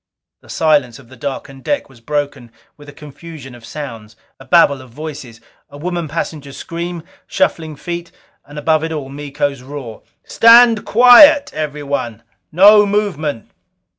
The silence of the darkened deck was broken with a confusion of sounds. A babble of voices; a woman passenger's scream; shuffling feet; and above it all, Miko's roar: "Stand quiet! Everyone! No movement!"